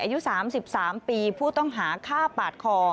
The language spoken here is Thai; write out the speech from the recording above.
อายุ๓๓ปีผู้ต้องหาฆ่าปาดคอ